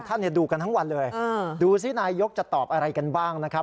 ดูกันทั้งวันเลยดูสินายกจะตอบอะไรกันบ้างนะครับ